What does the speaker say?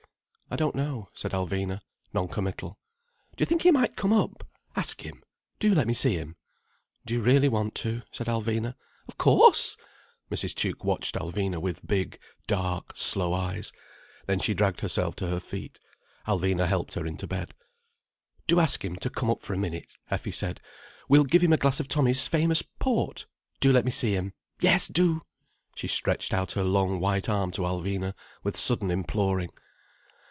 "I don't know," said Alvina, non committal. "Do you think he might come up? Ask him. Do let me see him." "Do you really want to?" said Alvina. "Of course—" Mrs. Tuke watched Alvina with big, dark, slow eyes. Then she dragged herself to her feet. Alvina helped her into bed. "Do ask him to come up for a minute," Effie said. "We'll give him a glass of Tommy's famous port. Do let me see him. Yes do!" She stretched out her long white arm to Alvina, with sudden imploring.